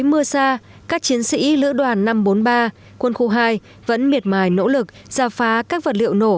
mưa xa các chiến sĩ lữ đoàn năm trăm bốn mươi ba quân khu hai vẫn miệt mài nỗ lực giả phá các vật liệu nổ